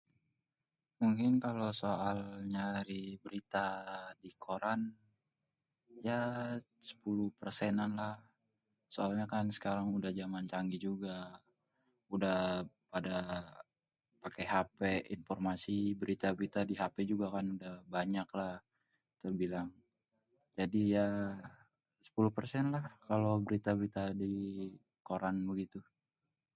Mungkin kalo soal nyari berita di koran ya sépuluh persenan lah. Soalnya kan sekarang udah jamannya canggih juga, udah pada paké hapé informasi berita-berita di hapé juga kan udah banyak lah kita dibilang. Jadi ya sepuluh persen lah kalo berita-berita di koran begitu.